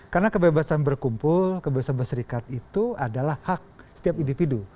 karena kebebasan berkumpul kebebasan berserikat itu adalah hak setiap individu